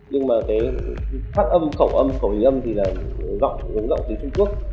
nhưng mà cái phát âm khẩu âm khẩu hình âm thì là giọng giống giọng từ trung quốc